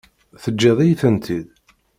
Teǧǧiḍ-iyi-tent-id?